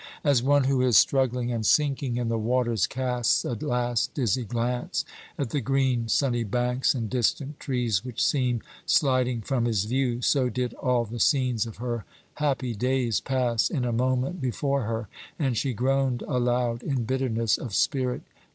As one who is struggling and sinking in the waters casts a last dizzy glance at the green sunny banks and distant trees which seem sliding from his view, so did all the scenes of her happy days pass in a moment before her, and she groaned aloud in bitterness of spirit.